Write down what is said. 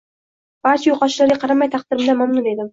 Barcha yo`qotishlarga qaramay taqdirimdan mamnun edim